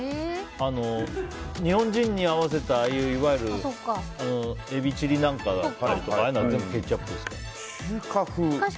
日本人に合わせたいわゆるエビチリなんかはああいうの全部ケチャップですから。